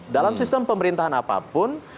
dalam sistem pemerintahan apapun